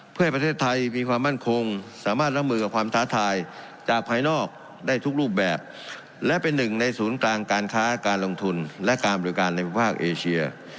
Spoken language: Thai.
เพื่อให้ประเทศไทยมีความมั่นคงสามารถรับมือกับความท้าทายจากภายนอกได้ทุกรูปแบบและเป็นหนึ่งในศูนย์กลางการค้าการลงทุนและการบริการในภาคเอเชีย